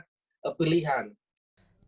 dan kepentingan itu adalah kemampuan